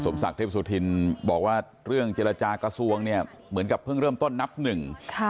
ไม่มีการรับบากเนี่ยมันเพิ่งเริ่มต้นนับหนึ่ง